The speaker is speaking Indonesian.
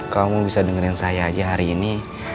kamu bisa dengerin saya aja hari ini